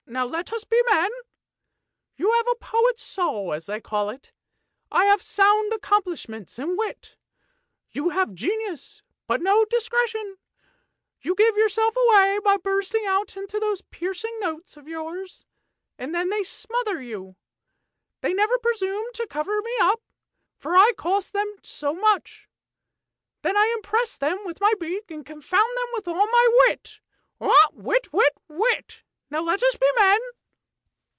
Now let us be men! You have a poet's soul, as they call it; I have sound accomplishments and wit. You have genius, but no discretion; you give yourself away by bursting out into those piercing notes of yours, and then they smother you. They never presume to cover me up, for I cost them so much ; then I impress them with my beak, and confound them all with my wit ! wit ! wit ! Now let us be men!